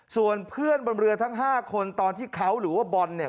ส่วนเพื่อนบนเรือทั้ง๕คนตอนที่เขาหรือว่าบอลเนี่ย